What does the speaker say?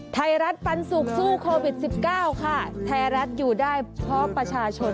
ไทยรัฐปันสุขสู้โควิดสิบเก้าค่ะไทยรัฐอยู่ได้เพราะประชาชน